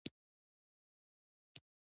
خپلې خوښې رنګه خپې پرې کیږدئ.